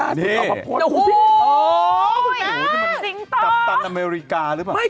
แปปตันอเมริกาหรือเปล่า